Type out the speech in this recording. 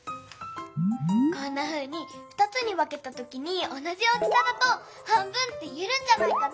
こんなふうに２つにわけたときにおなじ大きさだと半分っていえるんじゃないかな。